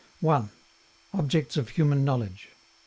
OBJECTS OF HUMAN KNOWLEDGE.